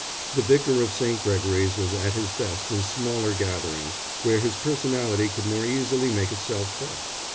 The Vicar of St. Gregory's was at his best in smaller gatherings, where his personality could more easily make itself felt.